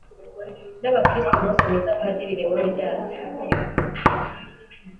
n’abakristu umunsi mwiza, padiri léonidas